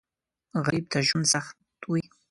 غریب ته ژوند سخت وي